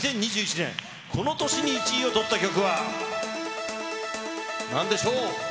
２０２１年、この年に１位をとった曲は、なんでしょう。